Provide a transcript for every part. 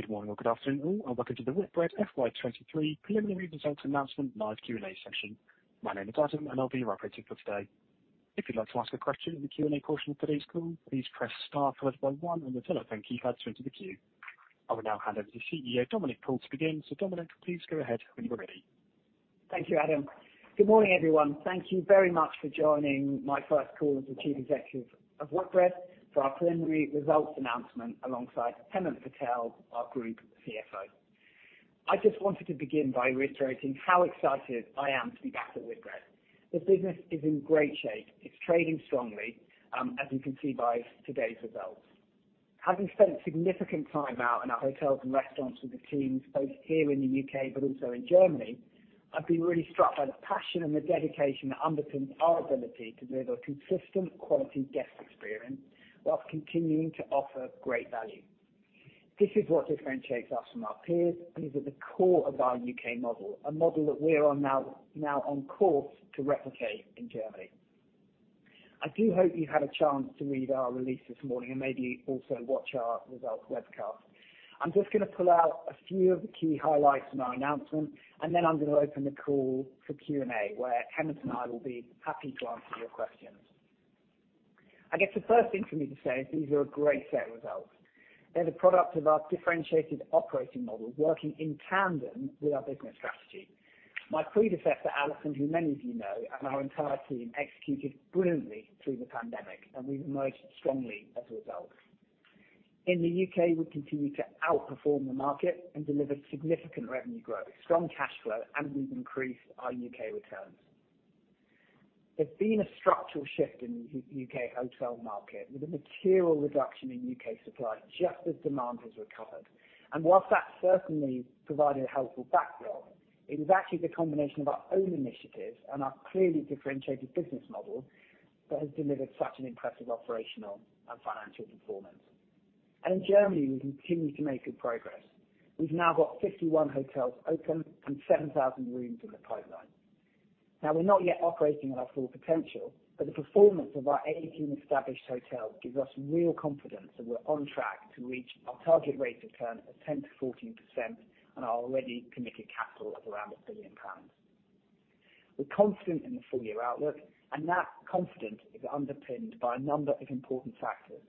Good morning or good afternoon, all. Welcome to the Whitbread FY 2023 preliminary results announcement live Q&A session. My name is Adam, and I'll be your operator for today. If you'd like to ask a question in the Q&A portion of today's call, please press star followed by one on the telephone keypad to enter the queue. I will now hand over to CEO Dominic Paul to begin. Dominic, please go ahead when you're ready. Thank you, Adam. Good morning, everyone. Thank you very much for joining my first call as the Chief Executive of Whitbread for our preliminary results announcement alongside Hemant Patel, our Group CFO. I just wanted to begin by reiterating how excited I am to be back at Whitbread. The business is in great shape. It's trading strongly, as you can see by today's results. Having spent significant time out in our hotels and restaurants with the teams both here in the U.K. but also in Germany, I've been really struck by the passion and the dedication that underpins our ability to deliver consistent quality guest experience whilst continuing to offer great value. This is what differentiates us from our peers. These are the core of our U.K. model, a model that we are now on course to replicate in Germany. I do hope you had a chance to read our release this morning and maybe also watch our results webcast. I'm just gonna pull out a few of the key highlights in our announcement, and then I'm gonna open the call for Q&A, where Hemant and I will be happy to answer your questions. I guess the first thing for me to say is these are a great set of results. They're the product of our differentiated operating model working in tandem with our business strategy. My predecessor, Alison, who many of you know, and our entire team executed brilliantly through the pandemic, and we've emerged strongly as a result. In the U.K., we continue to outperform the market and deliver significant revenue growth, strong cash flow, and we've increased our U.K. returns. There's been a structural shift in the U.K. hotel market with a material reduction in U.K. supply just as demand has recovered. Whilst that certainly provided a helpful backdrop, it is actually the combination of our own initiatives and our clearly differentiated business model that has delivered such an impressive operational and financial performance. In Germany, we continue to make good progress. We've now got 51 hotels open and 7,000 rooms in the pipeline. Now, we're not yet operating at our full potential, but the performance of our 18 established hotels gives us real confidence that we're on track to reach our target rate of return of 10%-14% on our already committed capital of around 1 billion pounds. We're confident in the full-year outlook, and that confidence is underpinned by a number of important factors.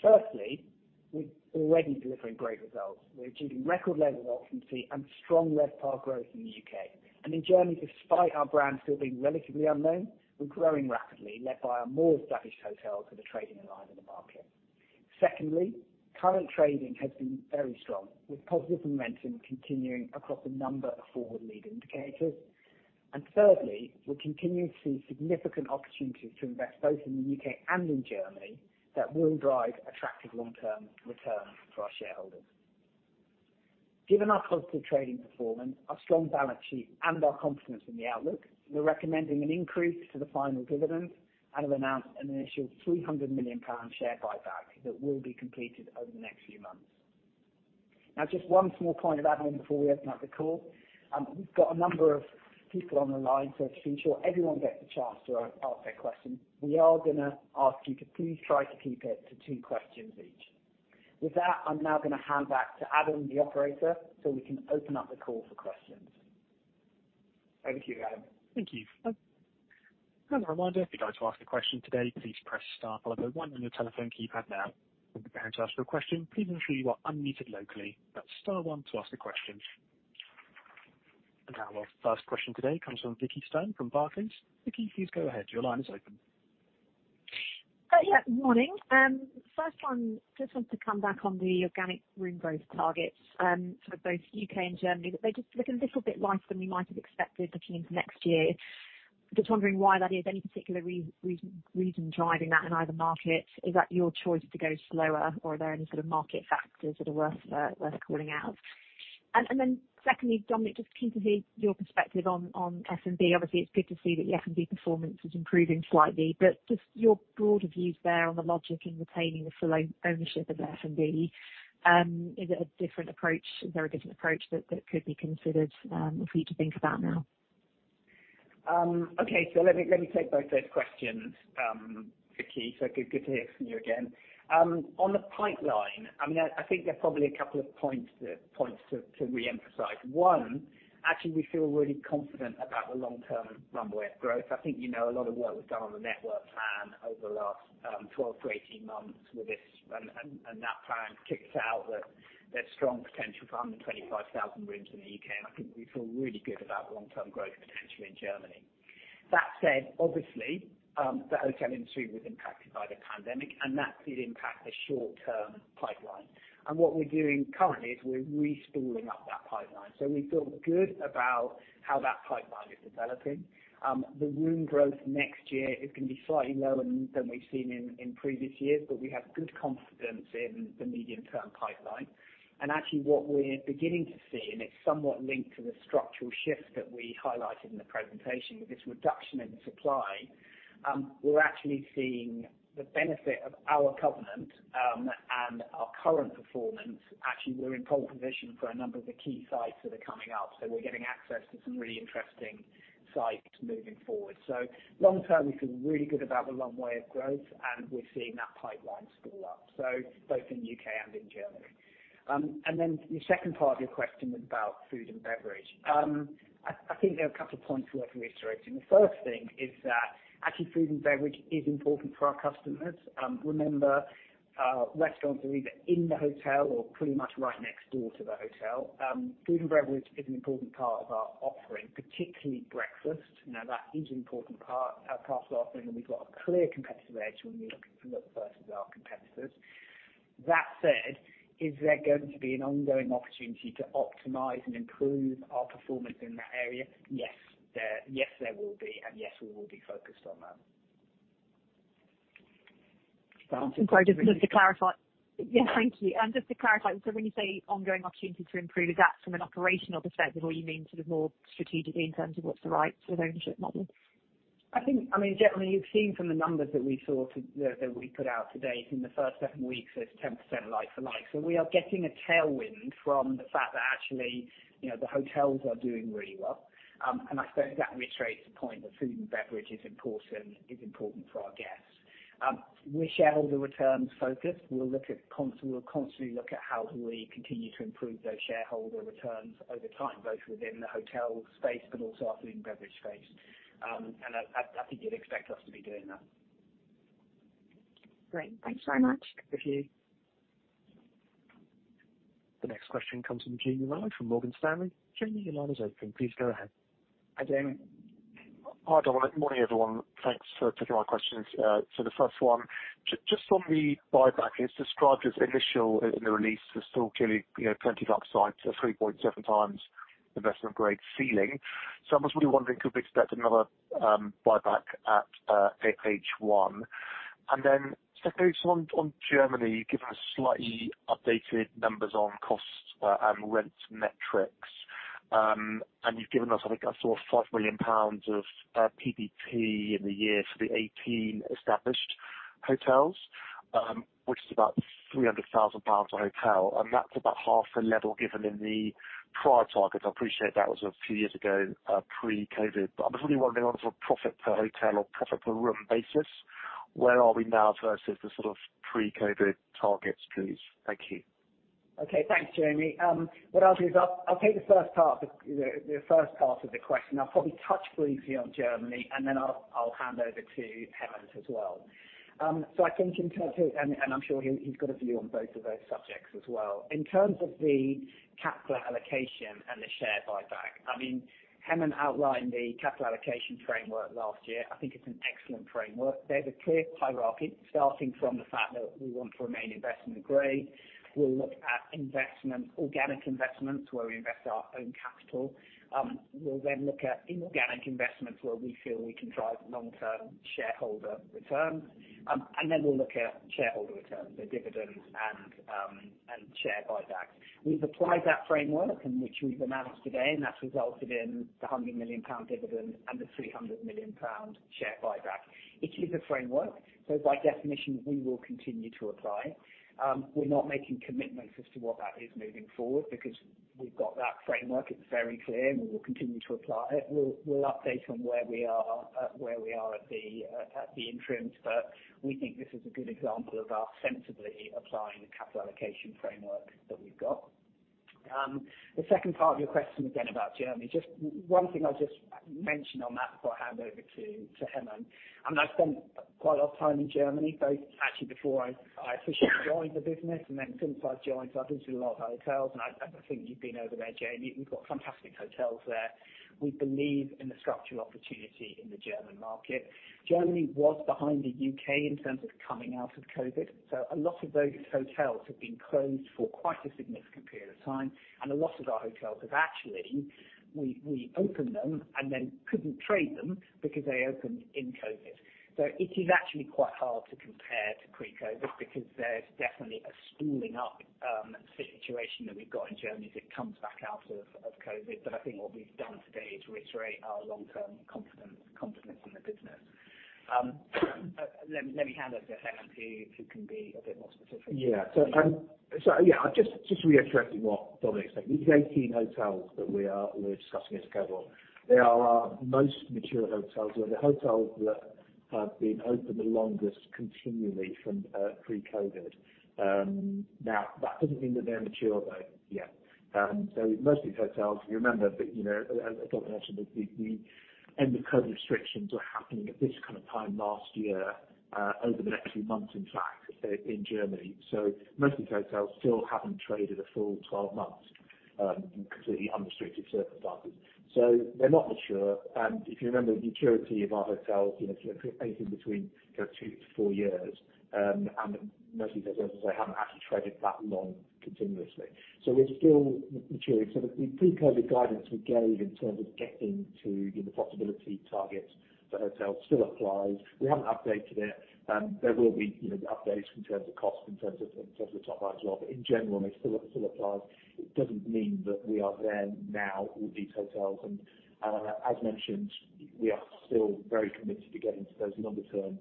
Firstly, we're already delivering great results. We're achieving record levels of occupancy and strong RevPAR growth in the U.K. In Germany, despite our brands still being relatively unknown, we're growing rapidly, led by our more established hotels that are trading in line with the market. Secondly, current trading has been very strong, with positive momentum continuing across a number of forward-leading indicators. Thirdly, we continue to see significant opportunities to invest both in the U.K. and in Germany that will drive attractive long-term returns for our shareholders. Given our positive trading performance, our strong balance sheet, and our confidence in the outlook, we're recommending an increase to the final dividend and have announced an initial 300 million pound share buyback that will be completed over the next few months. Now, just one small point of add-on before we open up the call. We've got a number of people on the line, so to ensure everyone gets the chance to ask their question, we are gonna ask you to please try to keep it to two questions each. With that, I'm now gonna hand back to Adam, the operator, so we can open up the call for questions. Over to you, Adam. Thank you. As a reminder, if you'd like to ask a question today, please press star followed by one on your telephone keypad now. When preparing to ask your question, please ensure you are unmuted locally. That's star one to ask a question. Our first question today comes from Vicki Stern from Barclays. Vicki, please go ahead. Your line is open. Yeah, morning. First one, just wanted to come back on the organic room growth targets for both U.K. and Germany. They just look a little bit lighter than we might have expected looking into next year. Just wondering why that is. Any particular reason driving that in either market? Is that your choice to go slower, or are there any sort of market factors that are worth calling out? Then secondly, Dominic, just keen to hear your perspective on F&B. Obviously, it's good to see that your F&B performance is improving slightly, but just your broader views there on the logic in retaining the full own-ownership of F&B. Is it a different approach? Is there a different approach that could be considered for you to think about now? Okay, let me take both those questions, Vicki. Good to hear from you again. On the pipeline, I think there are probably a couple of points to reemphasize. One, actually we feel really confident about the long-term runway of growth. I think you know a lot of work was done on the network plan over the last 12 to 18 months with this. That plan kicked out that there's strong potential for 125,000 rooms in the U.K., and I think we feel really good about long-term growth potential in Germany. That said, obviously, the hotel industry was impacted by the pandemic and that did impact the short-term pipeline. What we're doing currently is we're respooling up that pipeline. We feel good about how that pipeline is developing. The room growth next year is gonna be slightly lower than we've seen in previous years, but we have good confidence in the medium-term pipeline. Actually what we're beginning to see, and it's somewhat linked to the structural shift that we highlighted in the presentation with this reduction in supply, we're actually seeing the benefit of our covenant, and our current performance. Actually, we're in pole position for a number of the key sites that are coming up, so we're getting access to some really interesting sites moving forward. Long term, we feel really good about the runway of growth, and we're seeing that pipeline spool up, so both in U.K. and in Germany. Then the second part of your question was about food and beverage. I think there are a couple of points worth reiterating. The first thing is that actually food and beverage is important for our customers. Remember, restaurants are either in the hotel or pretty much right next door to the hotel. Food and beverage is an important part of our offering, particularly breakfast. Now, that is an important part of our offering, and we've got a clear competitive edge when you're looking from the first of our competitors. That said, is there going to be an ongoing opportunity to optimize and improve our performance in that area? Yes. There will be and, yes, we will be focused on that. I'm sorry, just to clarify. Yeah, thank you. Just to clarify, so when you say ongoing opportunity to improve, is that from an operational perspective or you mean sort of more strategically in terms of what's the right sort of ownership model? I think I mean, generally, you've seen from the numbers that we sort of, that we put out today, in the first seven weeks, there's 10% like-for-like. We are getting a tailwind from the fact that actually, you know, the hotels are doing really well. I suppose that reiterates the point that food and beverage is important, is important for our guests. We're shareholder returns focused. We'll constantly look at how do we continue to improve those shareholder returns over time, both within the hotel space, but also our food and beverage space. I think you'd expect us to be doing that. Great. Thanks so much. Thank you. The next question comes from Jamie Rollo from Morgan Stanley. Jamie, your line is open. Please go ahead. Hi, Jamie. Hi, Dominic. Morning, everyone. Thanks for taking my questions. The first one, just on the buyback, it's described as initial, in the release. There's still clearly, you know, plenty of upside to 3.7x investment grade ceiling. I'm just really wondering, could we expect another buyback at H1? Secondly, just on Germany, you've given us slightly updated numbers on costs and rent metrics. You've given us, I think I saw 5 million pounds of PBT in the year for the 18 established hotels, which is about 300,000 pounds a hotel, and that's about half the level given in the prior target. I appreciate that was a few years ago, pre-COVID, but I'm just really wondering on sort of profit per hotel or profit per room basis, where are we now versus the sort of pre-COVID targets, please? Thank you. Okay. Thanks, Jamie. What I'll do is I'll take the first part of the question. I'll probably touch briefly on Germany, and then I'll hand over to Hemant as well. I think in terms of.. I'm sure he's got a view on both of those subjects as well. In terms of the capital allocation and the share buyback, I mean, Hemant outlined the capital allocation framework last year. I think it's an excellent framework. There's a clear hierarchy starting from the fact that we want to remain investment grade. We'll look at investment, organic investments, where we invest our own capital. We'll then look at inorganic investments where we feel we can drive long-term shareholder returns. Then we'll look at shareholder returns, the dividends and share buybacks. We've applied that framework in which we've announced today, that's resulted in the 100 million pound dividend and the 300 million pound share buyback. It is a framework, so by definition, we will continue to apply. We're not making commitments as to what that is moving forward because we've got that framework. It's very clear, and we will continue to apply it. We'll update on where we are, where we are at the interims, but we think this is a good example of our sensibly applying the capital allocation framework that we've got. The second part of your question again about Germany. Just one thing I'll just mention on that before I hand over to Hemant, and I've spent quite a lot of time in Germany, both actually before I officially joined the business and then since I've joined. I've visited a lot of hotels, and I think you've been over there, Jamie. We've got fantastic hotels there. We believe in the structural opportunity in the German market. Germany was behind the U.K. in terms of coming out of COVID, a lot of those hotels have been closed for quite a significant period of time, and a lot of our hotels have actually, we opened them and then couldn't trade them because they opened in COVID. It is actually quite hard to compare to pre-COVID because there's definitely a spooling up situation that we've got in Germany as it comes back out of COVID. I think what we've done today is reiterate our long-term confidence in the business. Let me hand over to Hemant, who can be a bit more specific. Just reiterating what Dominic said. These 18 hotels that we're discussing as a cohort, they are our most mature hotels. They're the hotels that have been open the longest continually from pre-COVID. That doesn't mean that they're mature though yet. Most of these hotels, you remember, you know, as Dominic mentioned, the end of COVID restrictions were happening at this kind of time last year, over the next few months, in fact, in Germany. Most of these hotels still haven't traded a full 12 months in completely unrestricted circumstances. They're not mature. If you remember the maturity of our hotels, you know, anything between, you know, two to four years, most of these hotels, as I say, haven't actually traded that long continuously. We're still maturing. The, the pre-COVID guidance we gave in terms of getting to the profitability targets for hotels still applies. We haven't updated it. There will be, you know, updates in terms of cost, in terms of the top line as well, but in general, they still apply. It doesn't mean that we are there now with these hotels and, as mentioned, we are still very committed to getting to those longer term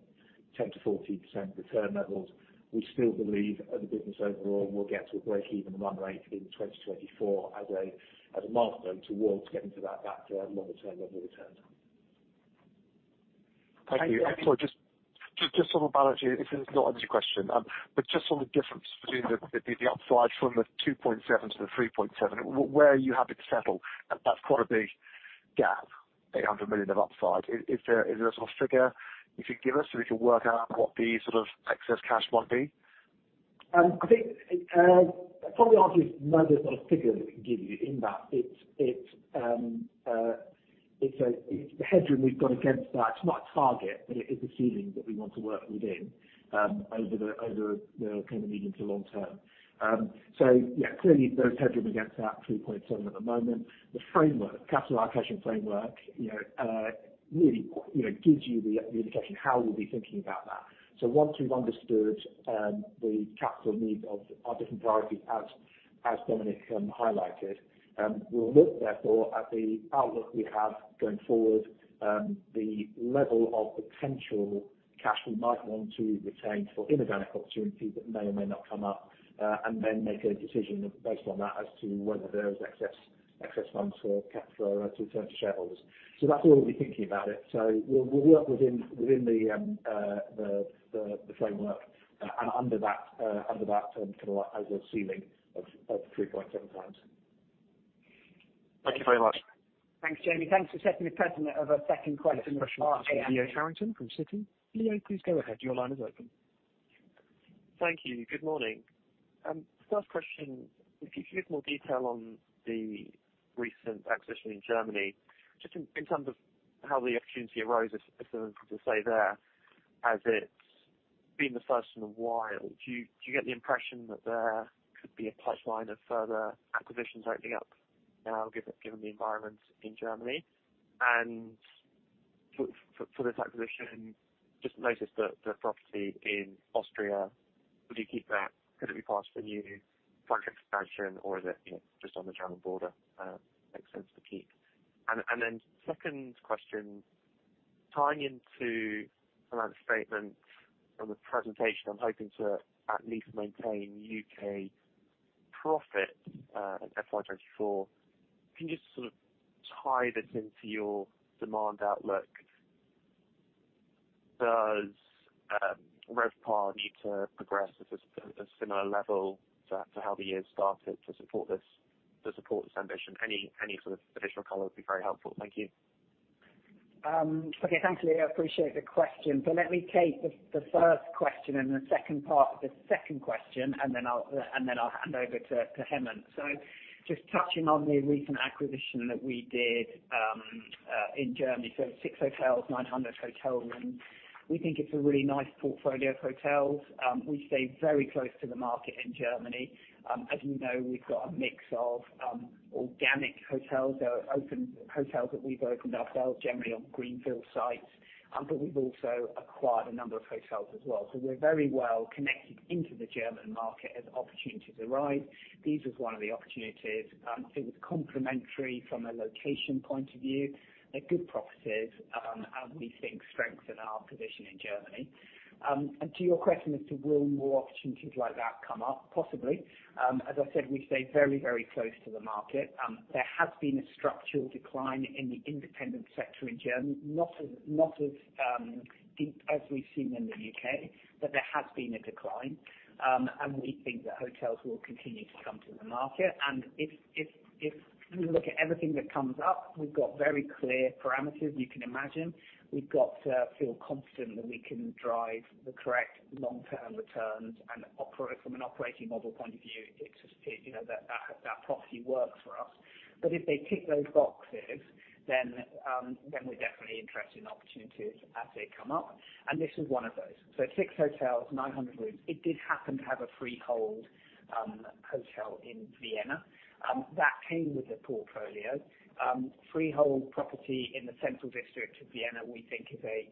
10%-14% return levels. We still believe as a business overall will get to a breakeven run rate in 2024 as a, as a milestone towards getting to that longer term level return. Thank you. Sorry, just on the balance sheet, if it's not a silly question. Just on the difference between the upside from the 2.7x to the 3.7x, where are you happy to settle? That's quite a big gap, 800 million of upside. Is there a sort of figure you could give us, so we can work out what the sort of excess cash might be? I think, probably honestly, no, there's not a figure that we can give you in that. It's the headroom we've got against that. It's not a target, but it is a ceiling that we want to work within, over the kind of medium to long term. Yeah, clearly there's headroom against that 3.7x at the moment. The framework, capital allocation framework, you know, really, you know, gives you the indication how we'll be thinking about that. Once we've understood the capital needs of our different priorities as Dominic highlighted, we'll look therefore at the outlook we have going forward, the level of potential cash we might want to retain for inorganic opportunities that may or may not come up, and then make a decision based on that as to whether there's excess funds kept for to return to shareholders. That's the way we'll be thinking about it. We'll work within the framework and under that kind of like as a ceiling of 3.7x. Thank you very much. Thanks, Jamie. Thanks for setting the precedent of a second question. Next question from Leo Carrington from Citi. Leo, please go ahead. Your line is open. Thank you. Good morning. First question, if you could give more detail on the recent acquisition in Germany, just in terms of how the opportunity arose, if there's anything to say there, as it's been the first in a while. Do you get the impression that there could be a pipeline of further acquisitions opening up now given the environment in Germany? For this acquisition, just noticed the property in Austria, would you keep that? Could it be passed for new project expansion or is it, you know, just on the German border, makes sense to keep? Second question, tying into finance statements on the presentation, I'm hoping to at least maintain U.K. profit in FY 2024. Can you just sort of tie this into your demand outlook? Does RevPAR need to progress at a similar level to how the year started to support this, to support this ambition? Any sort of additional color would be very helpful. Thank you. Okay. Thank you. I appreciate the question. Let me take the first question and the second part of the second question, and then I'll hand over to Hemant. Just touching on the recent acquisition that we did in Germany. Six hotels, 900 hotel rooms. We think it's a really nice portfolio of hotels. We stay very close to the market in Germany. As you know, we've got a mix of organic hotels. There are open hotels that we've opened ourselves generally on greenfield sites. But we've also acquired a number of hotels as well. We're very well connected into the German market as opportunities arise. These is one of the opportunities. I think it's complementary from a location point of view. They're good properties, and we think strengthen our position in Germany. To your question as to will more opportunities like that come up, possibly. As I said, we stay very, very close to the market. There has been a structural decline in the independent sector in Germany, not as deep as we've seen in the U.K., but there has been a decline. We think that hotels will continue to come to the market. If we look at everything that comes up, we've got very clear parameters you can imagine. We've got to feel confident that we can drive the correct long-term returns and operate from an operating model point of view. It's, you know, that property works for us. If they tick those boxes, we're definitely interested in opportunities as they come up. Six hotels, 900 rooms. It did happen to have a freehold hotel in Vienna that came with the portfolio. Freehold property in the central district of Vienna, we think is a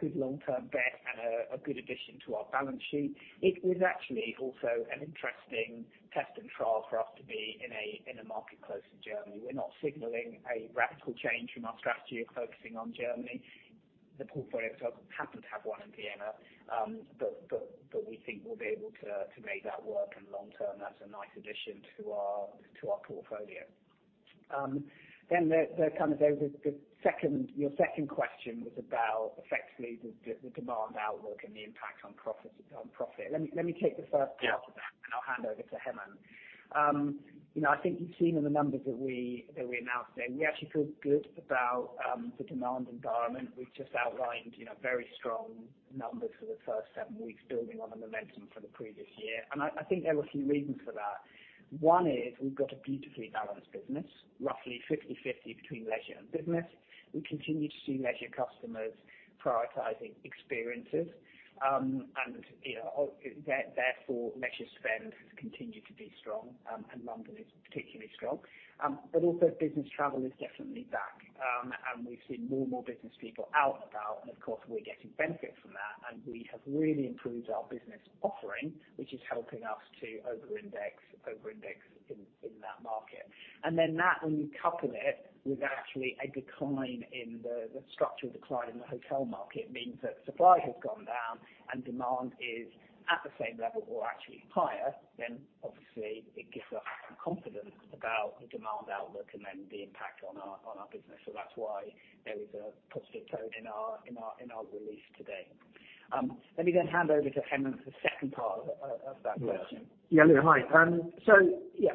good long-term bet and a good addition to our balance sheet. It is actually also an interesting test and trial for us to be in a market close to Germany. We're not signaling a radical change from our strategy of focusing on Germany. The portfolio itself happened to have one in Vienna. We think we'll be able to make that work and long term, that's a nice addition to our portfolio. Then the kind of, the second, your second question was about effectively the demand outlook and the impact on profit. Let me take the first part of that, and I'll hand over to Hemant. You know, I think you've seen in the numbers that we announced then, we actually feel good about the demand environment. We've just outlined, you know, very strong numbers for the first seven weeks building on the momentum for the previous year. I think there were a few reasons for that. One is we've got a beautifully balanced business, roughly 50/50 between leisure and business. We continue to see leisure customers prioritizing experiences. You know, therefore, leisure spend has continued to be strong, London is particularly strong. Also business travel is definitely back. We've seen more and more business people out and about, and of course, we're getting benefit from that. We have really improved our business offering, which is helping us to over-index in that market. That, when you couple it with actually a decline in the structural decline in the hotel market, means that supply has gone down-And demand is at the same level or actually higher, then obviously it gives us confidence about the demand outlook and the impact on our business. That's why there is a positive tone in our release today. Let me then hand over to Hemant for the second part of that question. Yeah, Leo, hi. I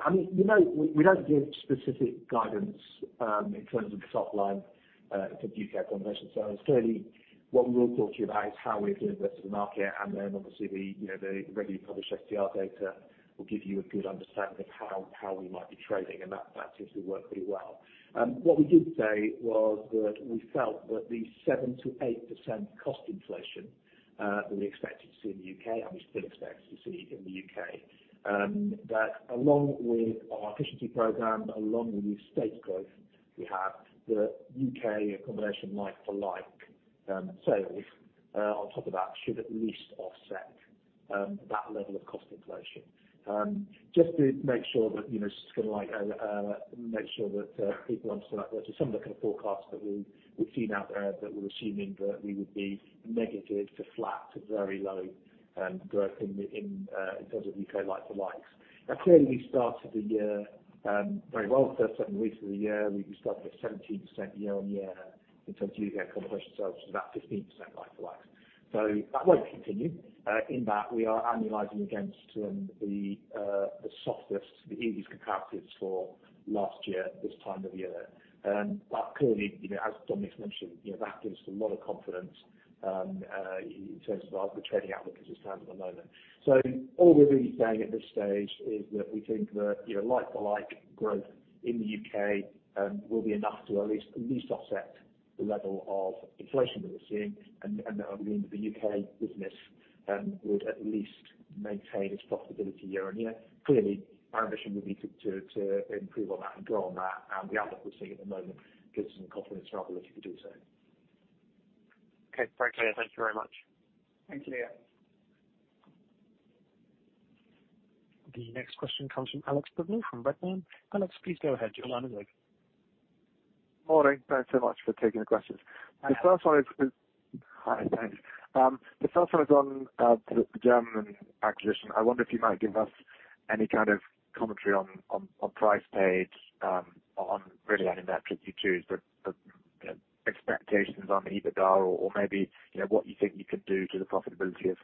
mean, you know, we don't give specific guidance in terms of the top line for U.K. accommodation. Clearly what we will talk to you about is how we're doing versus the market, and then obviously the, you know, the regularly published STR data will give you a good understanding of how we might be trading, and that seems to work pretty well. What we did say was that we felt that the 7%-8% cost inflation that we expected to see in the U.K., and we still expect to see in the U.K., that along with our efficiency program, along with the estate growth we have, the U.K. accommodation like-for-like sales on top of that should at least offset that level of cost inflation. Just to make sure that, you know, just to like, make sure that people understand that some of the kind of forecasts that we've seen out there that we're assuming that we would be negative to flat to very low growth in terms of U.K. like-for-likes. Now, clearly we started the year very well. The first seven weeks of the year we started at 17% year-on-year in terms of U.K. accommodation services, about 15% like-for-likes. That won't continue in that we are annualizing against the softest, the easiest comparatives for last year, this time of the year. Clearly, you know, as Dominic's mentioned, you know, that gives us a lot of confidence in terms of the trading outlook as it stands at the moment. All we're really saying at this stage is that we think that, you know, like-for-like growth in the U.K. will be enough to at least offset the level of inflation that we're seeing. That would mean that the U.K. business would at least maintain its profitability year-on-year. Clearly our ambition would be to improve on that and grow on that. The outlook we're seeing at the moment gives us some confidence and our ability to do so. Okay, great. Thank you very much. Thanks, Leo. The next question comes from Alex Brignall from Redburn. Alex, please go ahead. Your line is open. Morning. Thanks so much for taking the questions. Hi. Thanks. The first one is on the German acquisition. I wonder if you might give us any kind of commentary on price paid, on really any metric you choose, but expectations on the EBITDA or maybe, you know, what you think you could do to the profitability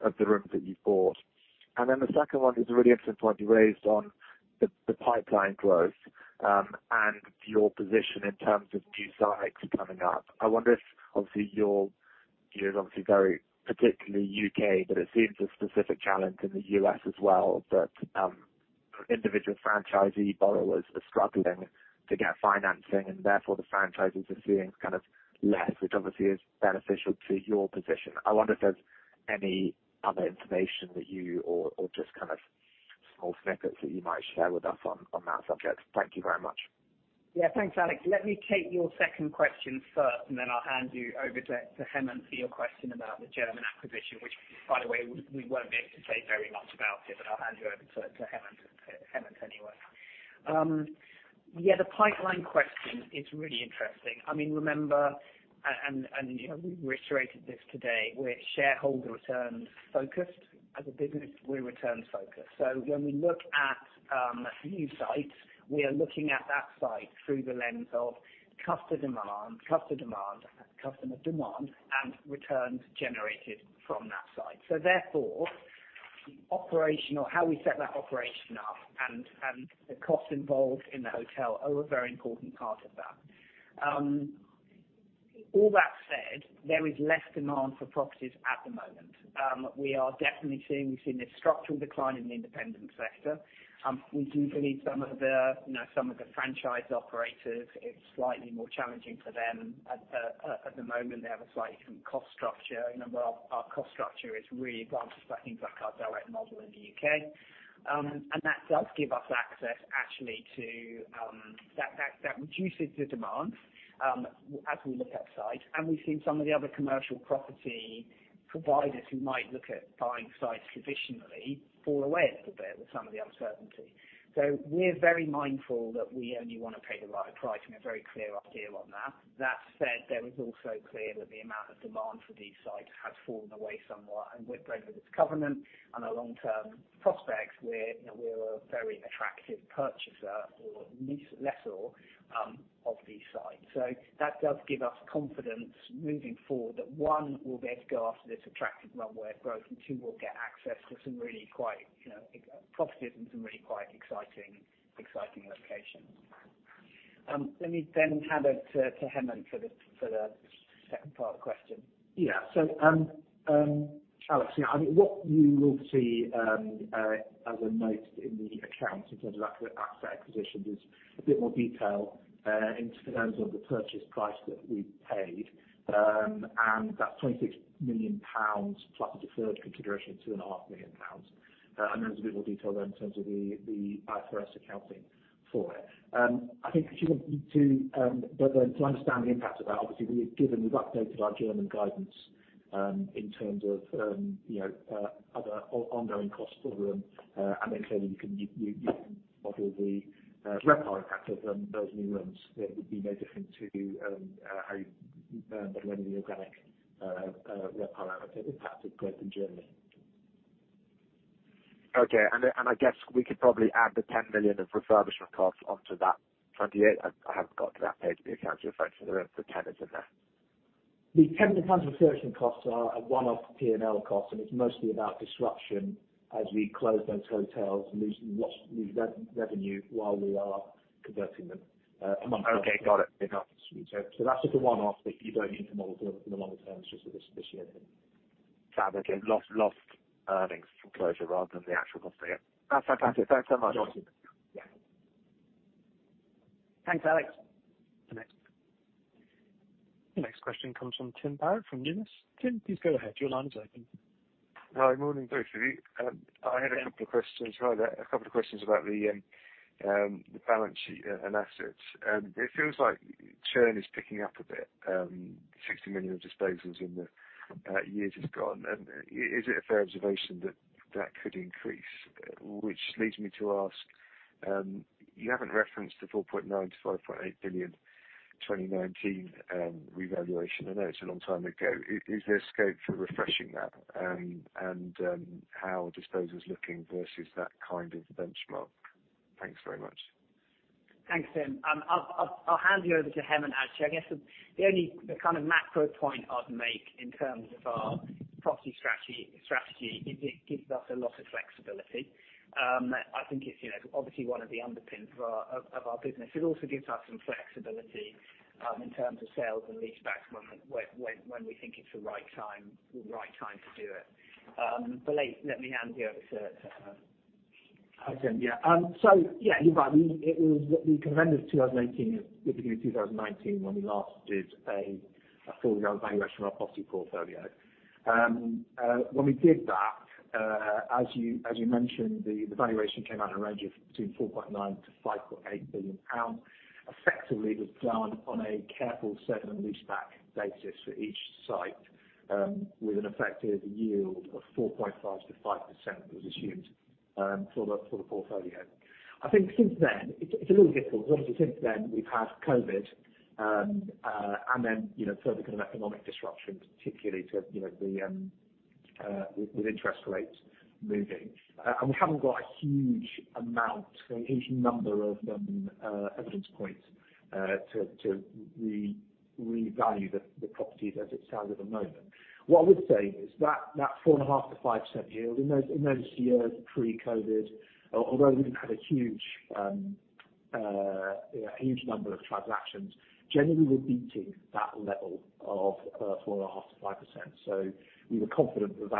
of the rooms that you've bought? The second one is a really interesting point you raised on the pipeline growth and your position in terms of new sites coming up. I wonder if obviously your year is obviously very particularly U.K., but it seems a specific challenge in the U.S. as well that individual franchisee borrowers are struggling to get financing and therefore the franchises are seeing kind of less, which obviously is beneficial to your position. I wonder if there's any other information that you or just kind of small snippets that you might share with us on that subject? Thank you very much. Yeah. Thanks, Alex. Let me take your second question first and then I'll hand you over to Hemant for your question about the German acquisition, which by the way, we won't be able to say very much about it, but I'll hand you over to Hemant anyway. Yeah, the pipeline question is really interesting. I mean, remember, and you know, we've reiterated this today, we're shareholder return focused. As a business, we're returns focused. When we look at new sites, we are looking at that site through the lens of customer demand and returns generated from that site. Therefore, the operation or how we set that operation up and the cost involved in the hotel are a very important part of that. All that said, there is less demand for properties at the moment. We are definitely seeing, we've seen a structural decline in the independent sector. We do believe some of the, you know, some of the franchise operators, it's slightly more challenging for them at the moment. They have a slightly different cost structure. You know, our cost structure is really advanced by things like our direct model in the U.K. That does give us access actually to that reduces the demand as we look at sites and we've seen some of the other commercial property providers who might look at buying sites traditionally fall away a little bit with some of the uncertainty. We're very mindful that we only wanna pay the right price, and we're very clear with Neil on that. That said, there is also clear that the amount of demand for these sites has fallen away somewhat and with great governance and our long-term prospects, we're, you know, we're a very attractive purchaser or lease-lessor of these sites. That does give us confidence moving forward that, one, we'll be able to go after this attractive runway of growth and, two, we'll get access to some really quite, you know, properties and some really quite exciting locations. Let me hand over to Hemant for the second part of the question. Yeah. Alex, you know, I mean, what you will see as a note in the accounts in terms of accurate asset acquisitions is a bit more detail in terms of the purchase price that we paid. That's 26 million pounds plus a deferred consideration of 2.5 million pounds. There's a bit more detail there in terms of the IFRS accounting for it. I think if you want me to understand the impact of that, obviously we've updated our German guidance in terms of, you know, other ongoing costs for the room. Clearly you can model the RevPAR impact of those new rooms. It would be no different to how you model any organic RevPAR impact of growth in Germany. Okay. I guess we could probably add the 10 million of refurbishment costs onto that 28 million. I haven't got to that page of the accounts you referred to the room for tenants in there. The 10 million of refurbishment costs are a one-off P&L cost, and it's mostly about disruption as we close those hotels and we lose re-revenue while we are converting them amongst Okay, got it. That's just a one-off that you don't need to model for the longer term, it's just for this year. Fab. Okay. Lost earnings from closure rather than the actual cost. Yeah. That's fantastic. Thanks so much. Yeah. Thanks, Alex. The next- The next question comes from Tim Barrett from Deutsche Numis. Tim, please go ahead. Your line is open. Hi. Morning, both of you. I had a couple of questions. A couple of questions about the balance sheet and assets. It feels like churn is picking up a bit, 60 million of disposals in the years is gone. Is it a fair observation that that could increase? Which leads me to ask, you haven't referenced the 4.9 billion-5.8 billion 2019 revaluation. I know it's a long time ago. Is there scope for refreshing that? How disposal is looking versus that kind of benchmark. Thanks very much. Thanks, Tim. I'll hand you over to Hemant actually. I guess the only kind of macro point I'd make in terms of our property strategy is it gives us a lot of flexibility. I think it's, you know, obviously one of the underpinnings of our business. It also gives us some flexibility in terms of sales and leasebacks when we think it's the right time to do it. Let me hand you over to Hemant. Hi, Tim. Yeah, you're right. It was at the end of 2018, the beginning of 2019 when we last did a full revaluation of our property portfolio. When we did that, as you mentioned, the valuation came out in a range of between 4.9 billion-5.8 billion pounds. Effectively, it was done on a careful sale and leaseback basis for each site, with an effective yield of 4.5%-5% was assumed for the portfolio. I think since then it's a little difficult. Obviously since then we've had COVID, you know, further kind of economic disruptions particularly to, you know, with interest rates moving. We haven't got a huge amount, a huge number of evidence points to revalue the property as it stands at the moment. What I would say is that 4.5%-5% yield in those years pre-COVID, although we haven't had a huge, you know, huge number of transactions, generally we're beating that level of 4.5%-5%. We were confident that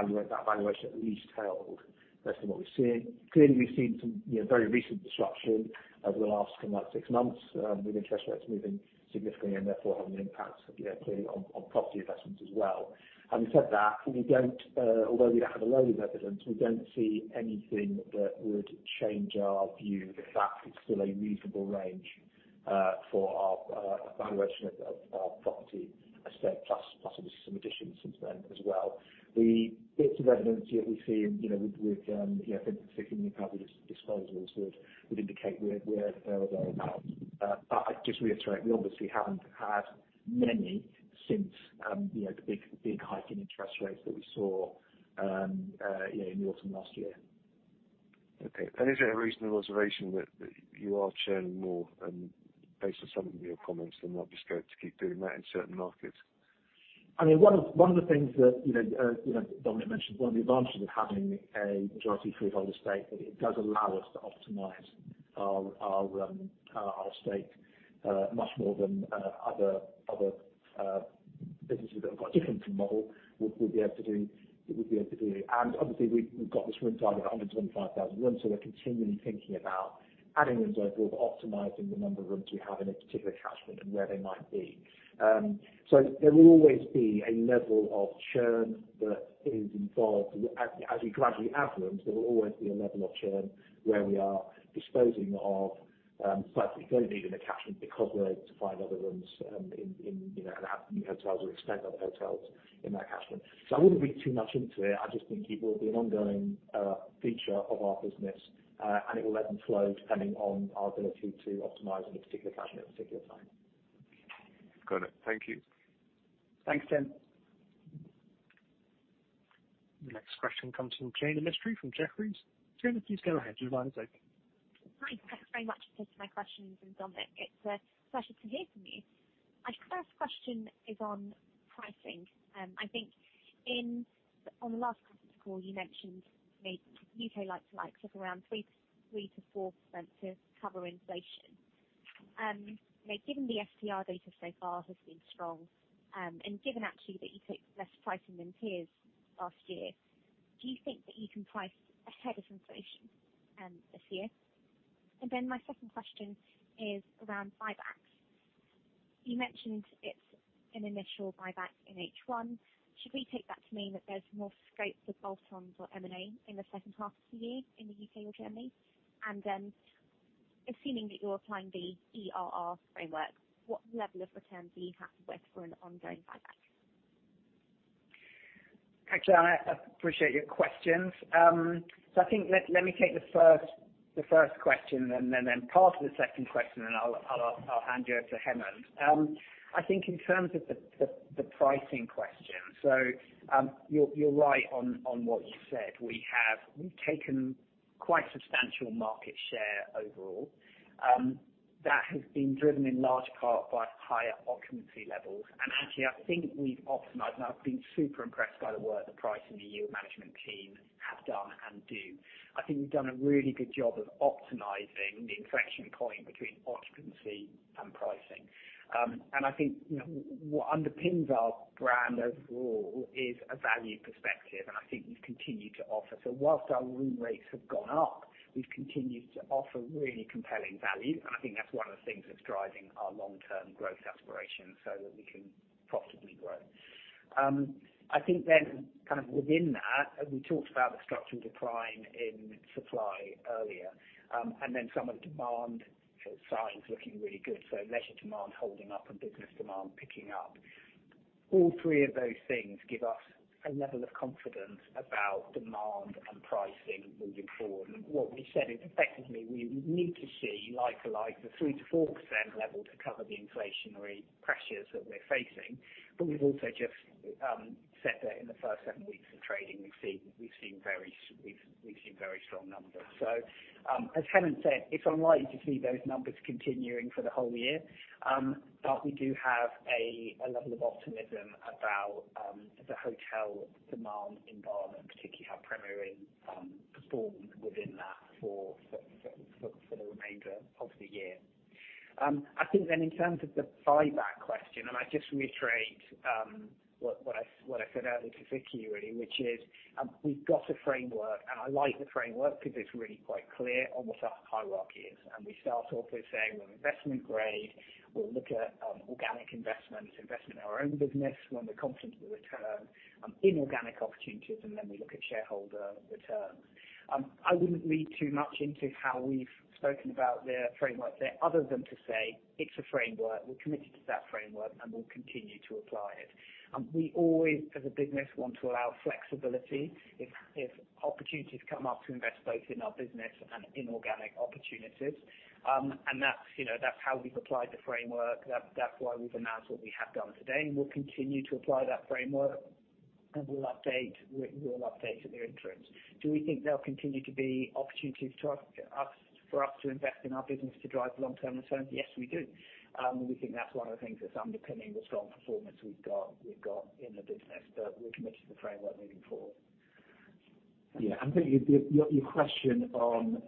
valuation at least held based on what we've seen. Clearly, we've seen some, you know, very recent disruption over the last kind of six months with interest rates moving significantly and therefore having an impact, you know, clearly on property investments as well. Having said that, we don't, although we don't have a load of evidence, we don't see anything that would change our view that that is still a reasonable range, for our, valuation of, our property estate, plus obviously some additions since then as well. The bits of evidence that we've seen, you know, with, you know, I think particularly probably disposals would indicate we're there or thereabout. I'd just reiterate, we obviously haven't had many since, you know, the big hike in interest rates that we saw, you know, in the autumn last year. Okay. Is it a reasonable observation that you are churning more and based on some of your comments and not just going to keep doing that in certain markets? I mean, one of the things that, you know, Dominic mentioned, one of the advantages of having a majority freeholder estate, that it does allow us to optimize our estate much more than other businesses that have got a different model would be able to do. Obviously, we've got this room type of 125,000 rooms, so we're continually thinking about adding rooms overall, but optimizing the number of rooms we have in a particular catchment and where they might be. There will always be a level of churn that is involved. As we gradually add rooms, there will always be a level of churn where we are disposing of sites that we don't need in the catchment because we're able to find other rooms, in, you know, and add new hotels or extend other hotels in that catchment. I wouldn't read too much into it. I just think it will be an ongoing feature of our business and it will ebb and flow depending on our ability to optimize in a particular catchment at a particular time. Got it. Thank you. Thanks, Tim. The next question comes from Jaina Mistry from Jefferies. Jaina, please go ahead. Your line is open. Hi. Thanks very much for taking my questions, and Dominic, it's a pleasure to hear from you. My first question is on pricing. I think on the last call, you mentioned need U.K. like to likes of around 3%-4% to cover inflation. Given the STR data so far has been strong, and given actually that you took less pricing than peers last year, do you think that you can price ahead of inflation this year? My second question is around buybacks. You mentioned it's an initial buyback in H1. Should we take that to mean that there's more scope for bolt-ons or M&A in the second half of the year in the U.K. or Germany? Assuming that you're applying the ERR framework, what level of return are you happy with for an ongoing buyback? Thanks, Jaina. I appreciate your questions. I think let me take the first question and then part of the second question, and I'll hand you over to Hemant. I think in terms of the pricing question, you're right on what you said. We've taken quite substantial market share overall, that has been driven in large part by higher occupancy levels. Actually, I think we've optimized, and I've been super impressed by the work, the pricing the yield management team have done and do. I think we've done a really good job of optimizing the inflection point between occupancy and pricing. I think, you know, what underpins our brand overall is a value perspective, and I think we've continued to offer. While our room rates have gone up, we've continued to offer really compelling value, and I think that's one of the things that's driving our long-term growth aspirations so that we can profitably grow. I think then kind of within that, we talked about the structural decline in supply earlier, and then some of the demand signs looking really good. Leisure demand holding up and business demand picking up. All three of those things give us a level of confidence about demand and pricing moving forward. What we said is, effectively, we need to see like the 3%-4% level to cover the inflationary pressures that we're facing. We've also just said that in the first seven weeks of trading, we've seen very strong numbers. As Hemant said, it's unlikely to see those numbers continuing for the whole year. We do have a level of optimism about the hotel demand environment, particularly how Premier Inn performs within that for the remainder of the year. I think in terms of the buyback question, I just reiterate what I said earlier to Vicki really, which is, we've got a framework, and I like the framework 'cause it's really quite clear on what our hierarchy is. We start off with saying when investment grade, we'll look at organic investments, investment in our own business when we're confident of the return, inorganic opportunities, we look at shareholder returns. I wouldn't read too much into how we've spoken about the framework there other than to say it's a framework. We're committed to that framework, and we'll continue to apply it. We always, as a business, want to allow flexibility if opportunities come up to invest both in our business and inorganic opportunities. That's, you know, that's how we've applied the framework. That's why we've announced what we have done today, and we'll continue to apply that framework, and we will update at the interims. Do we think there'll continue to be opportunities for us to invest in our business to drive long-term returns? Yes, we do. We think that's one of the things that's underpinning the strong performance we've got in the business. We're committed to the framework moving forward. I think your question on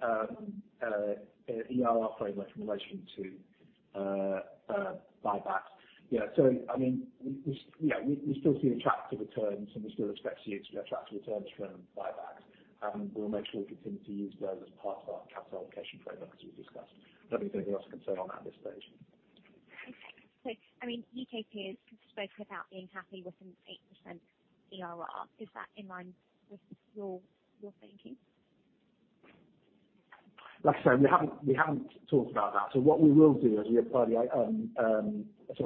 ERR framework in relation to buybacks. I mean, we, you know, we still see attractive returns, and we still expect to see attractive returns from buybacks, and we'll make sure we continue to use those as part of our capital allocation framework as we've discussed. Don't think there's anything else to say on that at this stage. Okay. I mean, U.K. peers spoke about being happy with an 8% ERR. Is that in line with your thinking? Like I said, we haven't talked about that. We haven't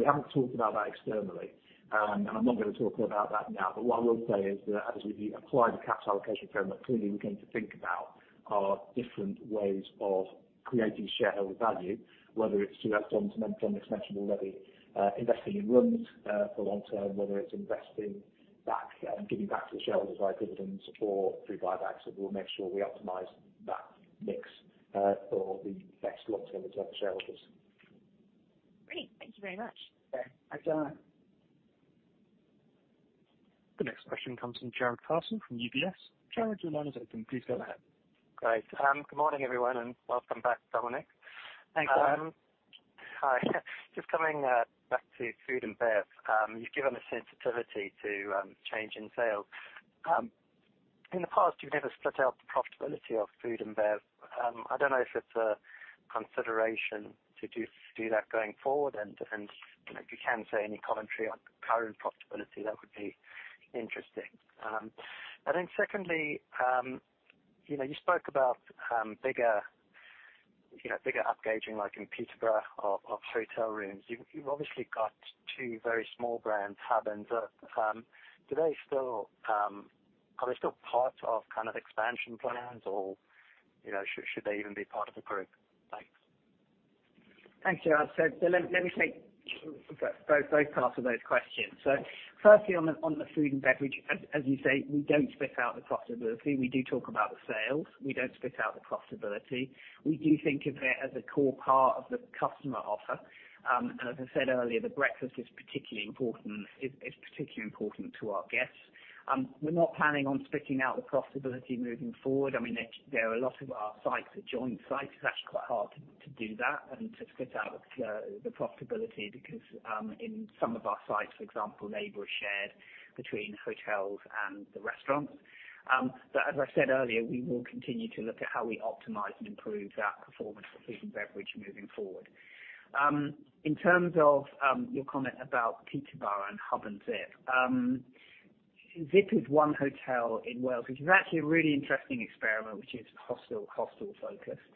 talked about that externally, and I'm not gonna talk about that now. What I will say is that as we apply the capital allocation framework, clearly we're going to think about our different ways of creating shareholder value, whether it's through as Dom's mentioned already, investing in rooms for long term, whether it's investing back, giving back to the shareholders via dividends or through buybacks. We'll make sure we optimize that mix for the best long-term return for shareholders. Great. Thank you very much. Okay. Thanks, Jaina. The next question comes from Jarrod Castle from UBS. Jarrod, your line is open. Please go ahead. Great. Good morning, everyone, and welcome back, Dominic. Thanks, Jarrod. Hi. Just coming back to food and bev. You've given a sensitivity to change in sales. In the past, you've never split out the profitability of food and bev. I don't know if it's a consideration to do that going forward. If you can say any commentary on current profitability, that would be interesting. Secondly, you know, you spoke about bigger, you know, bigger upgauging like in Peterborough of hotel rooms. You've obviously got two very small brand Hub and Zip. Are they still part of kind of expansion plans or, you know, should they even be part of the group? Thanks. Thanks, Jarrod. Let me take both parts of those questions. Firstly, on the food and beverage, as you say, we don't split out the profitability. We do talk about the sales. We don't split out the profitability. We do think of it as a core part of the customer offer. As I said earlier, the breakfast is particularly important. It's particularly important to our guests. We're not planning on splitting out the profitability moving forward. I mean, there are a lot of our sites are joint sites. It's actually quite hard to do that and to split out the profitability because, in some of our sites, for example, labor is shared between hotels and the restaurants. As I said earlier, we will continue to look at how we optimize and improve that performance for food and beverage moving forward. In terms of your comment about Peterborough and Hub and ZIP is one hotel in Wales, which is actually a really interesting experiment, which is hostel-focused.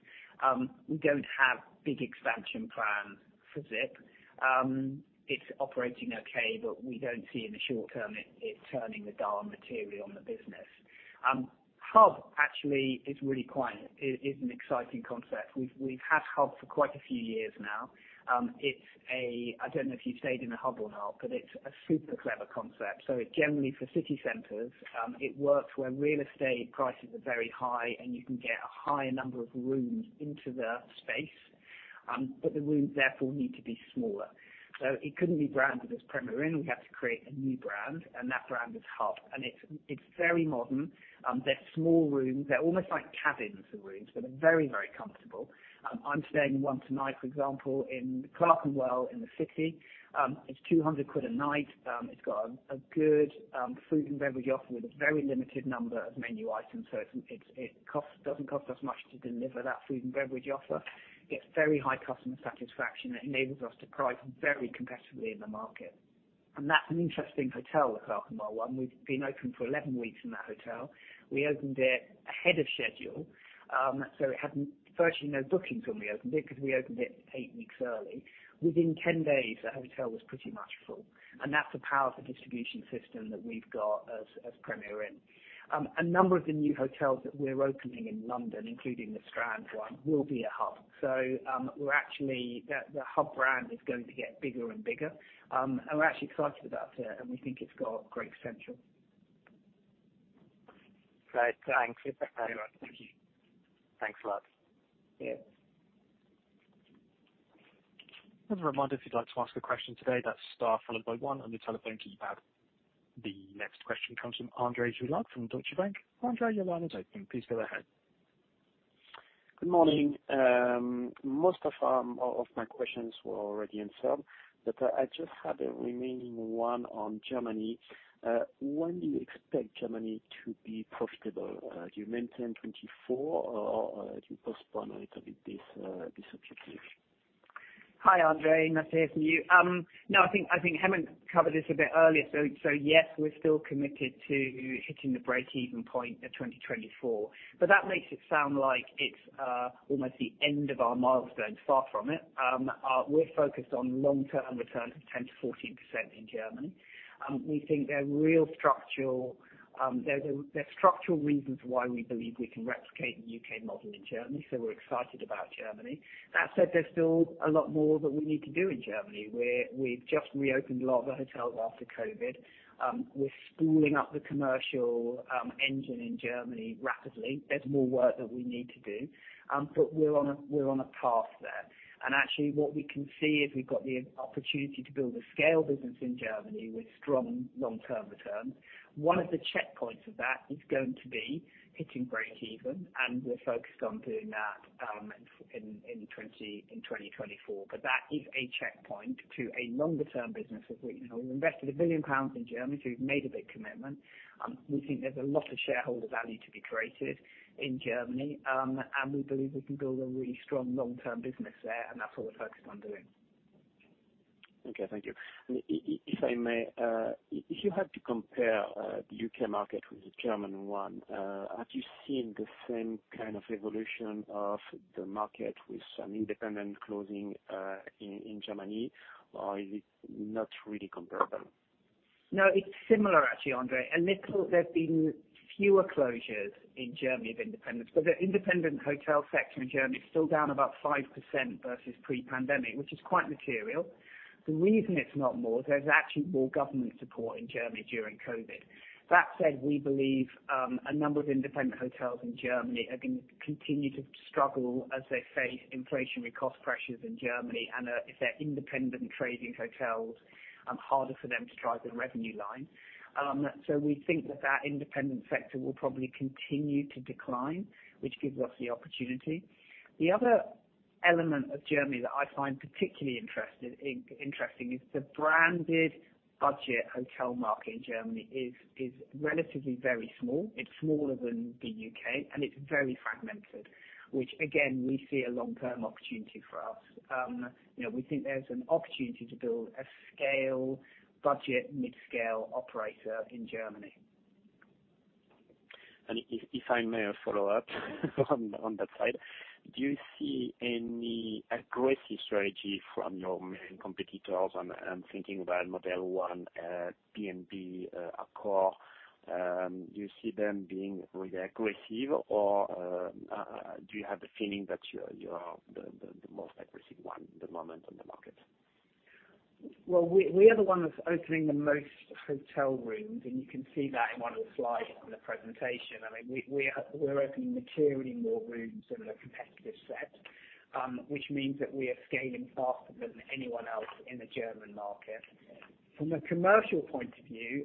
We don't have big expansion plans for ZIP. It's operating okay, we don't see in the short term it turning the dial material on the business. Hub actually is an exciting concept. We've had Hub for quite a few years now. It's I don't know if you've stayed in a Hub or not, it's a super clever concept. Generally for city centers, it works where real estate prices are very high, and you can get a high number of rooms into the space, but the rooms therefore need to be smaller. It couldn't be branded as Premier Inn. We had to create a new brand, and that brand is Hub, and it's very modern. They're small rooms. They're almost like cabins, the rooms, but they're very, very comfortable. I'm staying in one tonight, for example, in Clerkenwell in the city. It's 200 quid a night. It's got a good food and beverage offer with a very limited number of menu items. It doesn't cost us much to deliver that food and beverage offer. It's very high customer satisfaction that enables us to price very competitively in the market. That's an interesting hotel, the Clerkenwell one. We've been open for 11 weeks in that hotel. We opened it ahead of schedule, so it had virtually no bookings when we opened it because we opened it eight weeks early. Within 10 days, that hotel was pretty much full, and that's the power of the distribution system that we've got as Premier Inn. A number of the new hotels that we're opening in London, including the Strand one, will be at Hub. The Hub brand is going to get bigger and bigger, and we're actually excited about it, and we think it's got great potential. Great. Thanks. Yeah. Thank you. Thanks a lot. Yeah. As a reminder, if you'd like to ask a question today, that's star followed by one on your telephone keypad. The next question comes from Andre Juillard from Deutsche Bank. Andre, your line is open. Please go ahead. Good morning. Most of my questions were already answered. I just had a remaining one on Germany. When do you expect Germany to be profitable? Do you maintain 2024 or do you postpone a little bit this objective? Hi, Andre. Nice to hear from you. I think Hemant covered this a bit earlier. Yes, we're still committed to hitting the break-even point at 2024, but that makes it sound like it's almost the end of our milestone. Far from it. We're focused on long-term returns of 10%-14% in Germany. We think there are real structural reasons why we believe we can replicate the U.K. model in Germany, so we're excited about Germany. That said, there's still a lot more that we need to do in Germany. We've just reopened a lot of our hotels after COVID. We're spooling up the commercial engine in Germany rapidly. There's more work that we need to do. We're on a path there. Actually what we can see is we've got the opportunity to build a scale business in Germany with strong long-term returns. One of the checkpoints of that is going to be hitting break-even, and we're focused on doing that in 2024. That is a checkpoint to a longer-term business as you know, we've invested 1 billion pounds in Germany, we've made a big commitment. We think there's a lot of shareholder value to be created in Germany, we believe we can build a really strong long-term business there, and that's what we're focused on doing. Okay. Thank you. If I may, if you had to compare the U.K. market with the German one, have you seen the same kind of evolution of the market with some independent closing in Germany or is it not really comparable? No, it's similar actually, Andre. There's been fewer closures in Germany of independents, but the independent hotel sector in Germany is still down about 5% versus pre-pandemic, which is quite material. The reason it's not more is there's actually more government support in Germany during COVID. That said, we believe, a number of independent hotels in Germany are gonna continue to struggle as they face inflationary cost pressures in Germany, and, if they're independent trading hotels, harder for them to drive the revenue line. We think that that independent sector will probably continue to decline, which gives us the opportunity. The other element of Germany that I find particularly interesting is the branded budget hotel market in Germany is relatively very small. It's smaller than the U.K., and it's very fragmented, which again, we see a long-term opportunity for us. You know, we think there's an opportunity to build a scale budget, mid-scale operator in Germany. If I may follow up on that side. Do you see any aggressive strategy from your main competitors? I'm thinking about Motel One, B&B HOTELS, Accor. Do you see them being really aggressive or do you have the feeling that you're the most aggressive one at the moment on the market? Well, we are the ones opening the most hotel rooms, and you can see that in one of the slides on the presentation. I mean, we are, we're opening materially more rooms than the competitive set, which means that we are scaling faster than anyone else in the German market. From a commercial point of view,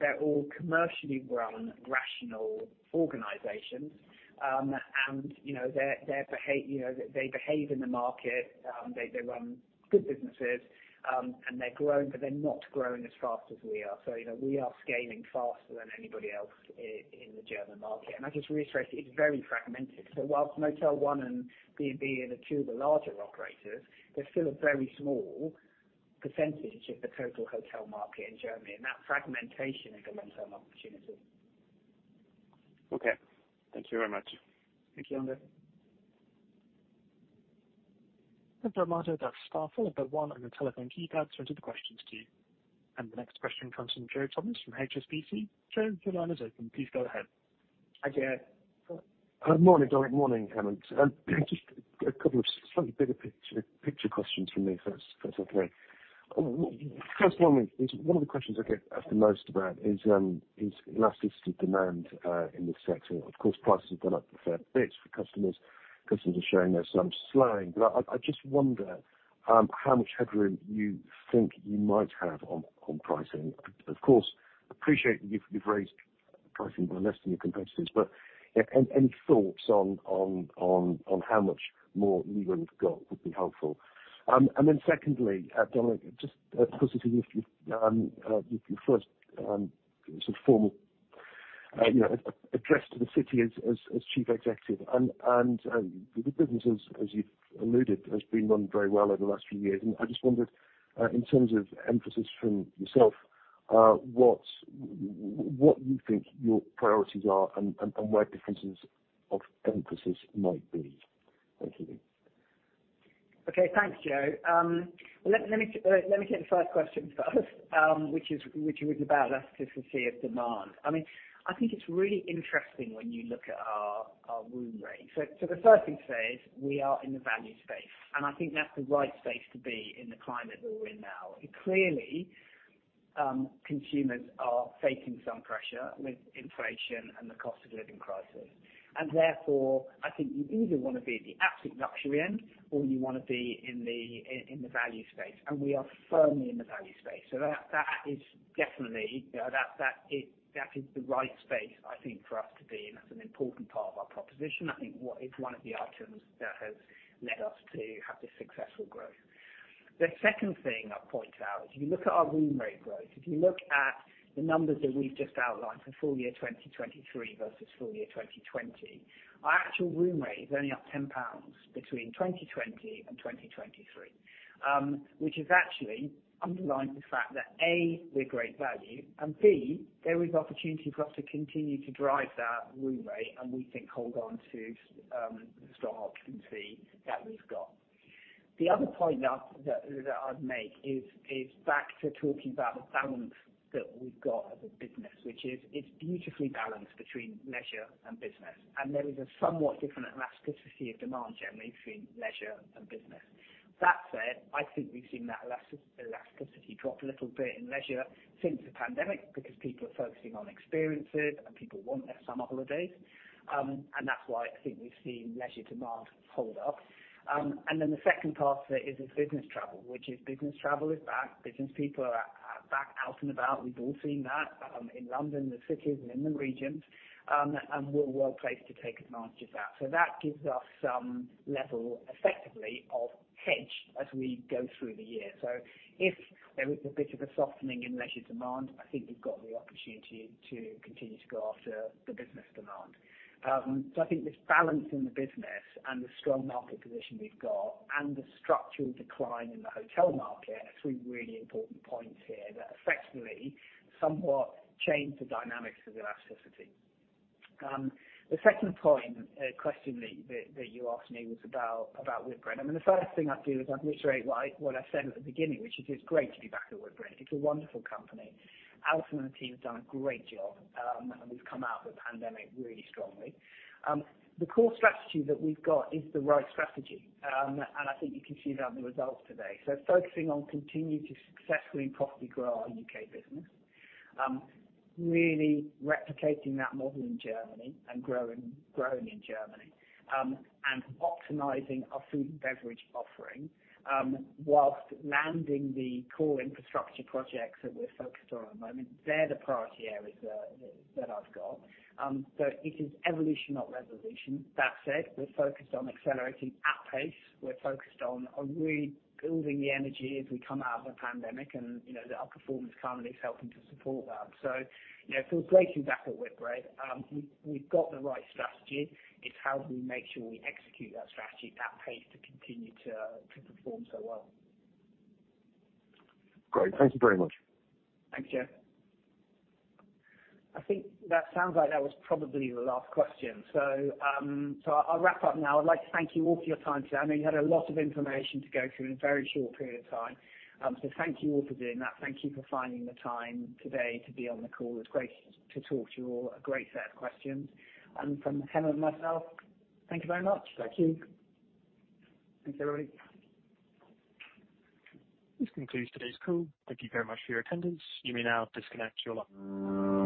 they're all commercially run, rational organizations. You know, their, you know, they behave in the market, they run good businesses, and they're growing, but they're not growing as fast as we are. You know, we are scaling faster than anybody else in the German market. I just reiterate, it's very fragmented. Whilst Motel One and B&B HOTELS are the two of the larger operators, they're still a very small percentage of the total hotel market in Germany, and that fragmentation is a long-term opportunity. Okay. Thank you very much. Thank you, Andre. Operator, that's star four and then one on your telephone keypad to enter the questions queue. The next question comes from Joe Thomas from HSBC. Joe, your line is open. Please go ahead. Hi, Joe. Morning, Dominic. Morning, Hemant. Just a couple of slightly bigger picture questions from me if that's okay. Well, first one is one of the questions I get asked the most about is elasticity of demand in this sector. Of course, prices have gone up a fair bit for customers. Customers are showing us some slowing. I just wonder how much headroom you think you might have on pricing. Of course, appreciate you've raised pricing by less than your competitors, but any thoughts on how much more headroom you've got would be helpful. Secondly, Dominic, just closely with your first sort of formal, you know, address to the City as Chief Executive, and the business, as you've alluded, has been run very well over the last few years. I just wondered in terms of emphasis from yourself, what you think your priorities are and where differences of emphasis might be. Thank you. Okay, thanks, Joe. Let me take the first question, which was about elasticity of demand. I mean, I think it's really interesting when you look at our room rate. The first thing to say is we are in the value space, and I think that's the right space to be in the climate that we're in now. Clearly, consumers are facing some pressure with inflation and the cost of living crisis. Therefore, I think you either wanna be at the absolute luxury end or you wanna be in the value space, and we are firmly in the value space. That is definitely, you know, that is the right space I think for us to be in. That's an important part of our proposition. I think what is one of the items that has led us to have this successful growth. The second thing I'd point out, if you look at our room rate growth, if you look at the numbers that we've just outlined for full year 2023 versus full year 2020, our actual room rate is only up 10 pounds between 2020 and 2023, which actually underlines the fact that, A, we're great value, and B, there is opportunity for us to continue to drive that room rate and we think hold on to the strong occupancy that we've got. The other point that I'd make is back to talking about the balance that we've got as a business, which is it's beautifully balanced between leisure and business. There is a somewhat different elasticity of demand generally between leisure and business. That said, I think we've seen that elasticity drop a little bit in leisure since the pandemic because people are focusing on experiences and people want their summer holidays. That's why I think we've seen leisure demand hold up. Then the second part of it is business travel, which is business travel is back. Business people are back out and about. We've all seen that in London, the cities and in the regions. We're well placed to take advantage of that. That gives us some level, effectively, of hedge as we go through the year. If there is a bit of a softening in leisure demand, I think we've got the opportunity to continue to go after the business demand. I think this balance in the business and the strong market position we've got and the structural decline in the hotel market are three really important points here that effectively somewhat change the dynamics of elasticity. The second point, question that you asked me was about Whitbread. I mean, the first thing I'd do is I'd reiterate what I said at the beginning, which is it's great to be back at Whitbread. It's a wonderful company. Alison and the team have done a great job, and we've come out of the pandemic really strongly. The core strategy that we've got is the right strategy. I think you can see that in the results today. Focusing on continuing to successfully and profitably grow our U.K. business. Really replicating that model in Germany and growing in Germany. Optimizing our food and beverage offering whilst landing the core infrastructure projects that we're focused on at the moment. They're the priority areas that I've got. It is evolution, not revolution. That said, we're focused on accelerating at pace. We're focused on really building the energy as we come out of the pandemic, and you know, our performance currently is helping to support that. You know, feels great to be back at Whitbread. We've got the right strategy. It's how do we make sure we execute that strategy at pace to continue to perform so well. Great. Thank you very much. Thanks, Joe. I think that sounds like that was probably the last question. I'll wrap up now. I'd like to thank you all for your time today. I know you had a lot of information to go through in a very short period of time. Thank you all for doing that. Thank you for finding the time today to be on the call. It's great to talk to you all. A great set of questions. From Hemant and myself, thank you very much. Thank you. Thanks, everybody. This concludes today's call. Thank you very much for your attendance. You may now disconnect your line.